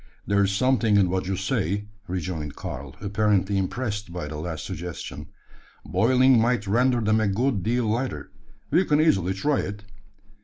"There's something in what you say," rejoined Karl, apparently impressed by the last suggestion. "Boiling might render them a good deal lighter. We can easily try it."